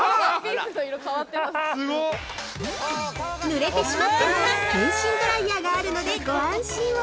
◆ぬれてしまっても全身ドライヤーがあるのでご安心を。